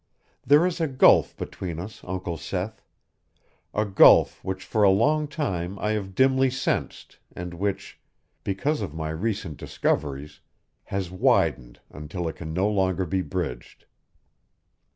There is a gulf between us, Uncle Seth a gulf which for a long time I have dimly sensed and which, because of my recent discoveries, has widened until it can no longer be bridged."